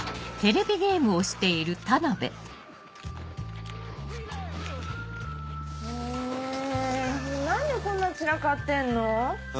ん？ねぇ何でこんな散らかってんの？え？